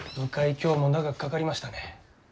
今日も長くかかりましたね。